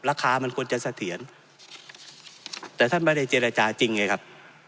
ราคามันควรจะเสถียรแต่ท่านไม่ได้เจรจาจริงไงครับ